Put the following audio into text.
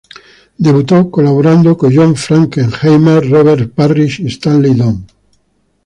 Debutó colaborando con John Frankenheimer, Robert Parrish y Stanley Donen.